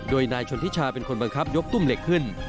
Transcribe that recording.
โดยนายชนทิชาเป็นคนบังคับยกตุ้มเหล็กขึ้น